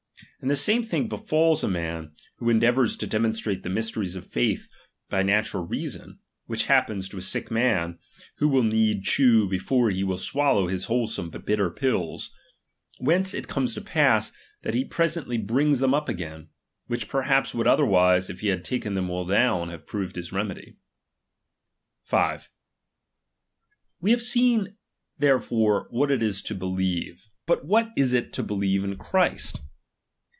And the same thing befalls a man, who endeavours to de monstrate the mysteries of faith by natural reason, which happens to a sick man, who will needs chew before he will swallow his wholesome but bitter pills ; whence it conies to pass, that he presently brings them up again ; which perhaps would other wise, if he had taken them well down, have proved his remedy. 5. We have seen therefore what it is io believe. , But what is it to believe in Christ